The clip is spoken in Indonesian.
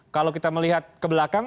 kalau kita melihat ke belakang